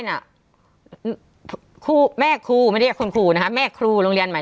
น่ะครูแม่ครูไม่ได้เรียกคุณครูนะคะแม่ครูโรงเรียนใหม่